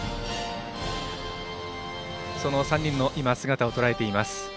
その３人の姿をとらえています。